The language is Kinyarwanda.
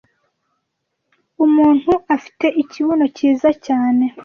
Umuntu afite ikibuno cyiza cyane